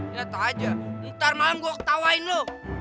lihat aja ntar malam gue ketawain lo